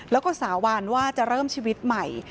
แล้วก็สาบานว่าจะเริ่มชีวิตใหม่